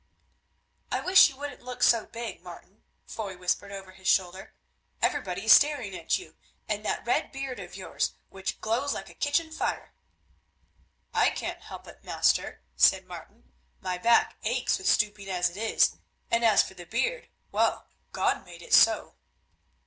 "I wish you wouldn't look so big, Martin," Foy whispered over his shoulder; "everybody is staring at you and that red beard of yours, which glows like a kitchen fire." "I can't help it, master," said Martin, "my back aches with stooping as it is, and, as for the beard, well, God made it so."